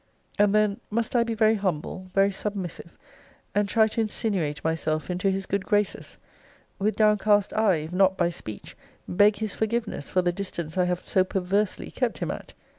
And then must I be very humble, very submissive, and try to insinuate myself into his good graces: with downcast eye, if not by speech, beg his forgiveness for the distance I have so perversely kept him at?